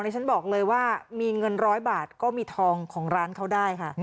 ฉันบอกเลยว่ามีเงินร้อยบาทก็มีทองของร้านเขาได้ค่ะ